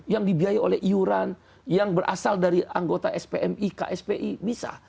yang dibiayai oleh iuran yang berasal dari anggota spmi kspi bisa